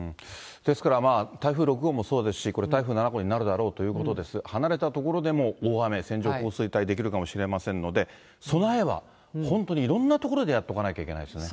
ですから、台風６号もそうですし、これ、台風７号になるだろうということです、離れた所でも、大雨、線状降水帯出来るかもしれませんので、備えは本当にいろんな所でやっておかなきゃいけないですね。